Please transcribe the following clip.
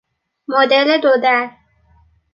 مدل دو در